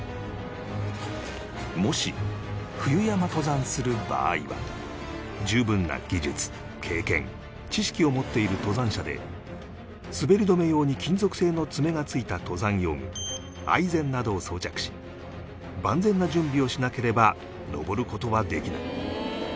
もし冬山登山する場合は十分な技術経験知識を持っている登山者で滑り止め用に金属製の爪がついた登山用具アイゼンなどを装着し万全な準備をしなければ登る事はできない